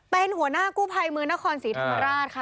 เป็นหัวหน้ากู้ภัยมือนครศรีธรรมราชค่ะ